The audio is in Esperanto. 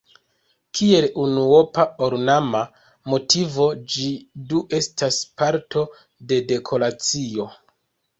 Kiel unuopa ornama motivo ĝi do estas parto de dekoracio.